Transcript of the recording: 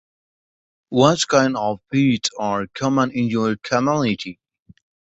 What kind of peat are common in your community?